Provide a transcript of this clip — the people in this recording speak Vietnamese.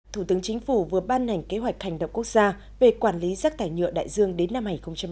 thủ tướng chính phủ vừa ban hành kế hoạch hành động quốc gia về quản lý rác thải nhựa đại dương đến năm hai nghìn ba mươi